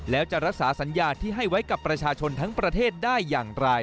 แล้วจะรักษาสัญญาที่ให้ไว้กับประชาชนทั้งประเทศได้อย่างไร